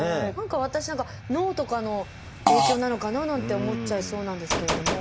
私何か脳とかの影響なのかななんて思っちゃいそうなんですけれども。